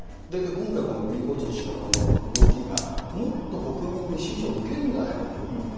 今回、このプリゴジン氏のこの動きが、もっと国民に支持を受けるんではないかというふうに。